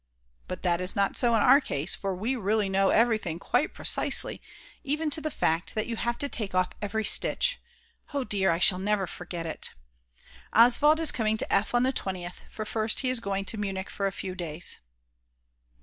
But that is not so in our case, for we really know everything quite precisely, even to the fact that you have to take off every stitch; oh dear, I shall never forget it! Oswald is coming to F. on the 20th, for first he is going to Munich for a few days.